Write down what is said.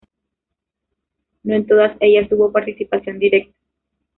No en todas ellas tuvo participación directa.